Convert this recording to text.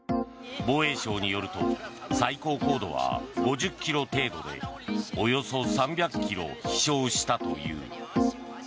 防衛省によると最高高度は５０ｋｍ程度でおよそ３００ｋｍ飛翔したという。